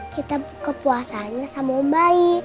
kita buka puasanya sama ombak